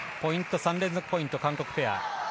３連続ポイント、韓国ペア。